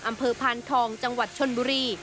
อำเภอพานทองจังหวัดชนบุรี